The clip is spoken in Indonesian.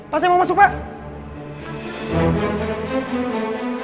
pasti mau masuk pak